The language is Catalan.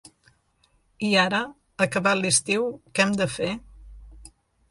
I ara, acabat l’estiu, què hem de fer?